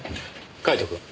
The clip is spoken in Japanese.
カイトくん。